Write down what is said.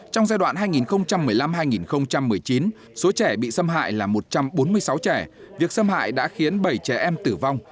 trong giai đoạn hai nghìn một mươi năm hai nghìn một mươi chín số trẻ bị xâm hại là một trăm bốn mươi sáu trẻ việc xâm hại đã khiến bảy trẻ em tử vong